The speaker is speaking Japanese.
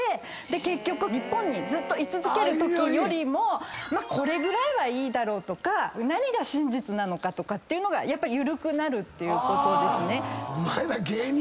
結局日本にずっと居続けるときよりもこれぐらいはいいだろうとか何が真実なのかっていうのが緩くなるっていうことですね。